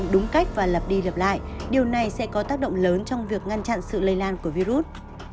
điều này sẽ có tác động lớn trong việc ngăn chặn sự lây lan của virus